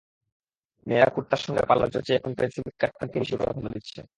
মেয়েরা কুর্তার সঙ্গে পালাজ্জোর চেয়ে এখন পেনসিল কাট প্যান্টটাকেই বেশি প্রাধান্য দিচ্ছে।